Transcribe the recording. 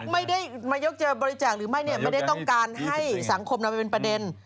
นายกจะบริจาคหรือไม่เนี่ยไม่ได้ต้องการให้สังคมนำไปเป็นประเด็น